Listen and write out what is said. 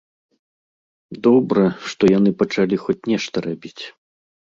Добра, што яны пачалі хоць нешта рабіць.